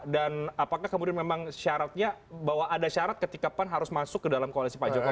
dan apakah kemudian memang syaratnya bahwa ada syarat ketika pan harus masuk ke dalam koalisi pak jokowi